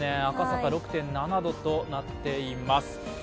赤坂６．７度となっています。